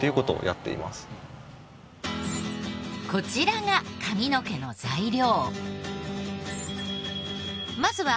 こちらが髪の毛の材料。